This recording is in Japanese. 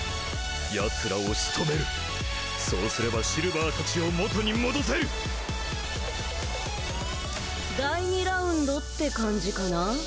ヤツらをしとめるそうすればシルヴァーたちを元に戻せる第２ラウンドって感じかな？